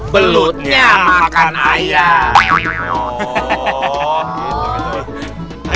belutnya makan ayam